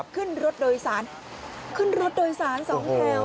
ขึ้นรถโดยสารขึ้นรถโดยสารสองแถว